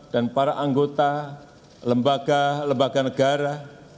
dan para anggota lembaga lembaga negara